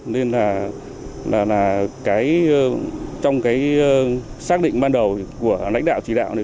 nên là trong cái xác định ban đầu của lãnh đạo chỉ đạo này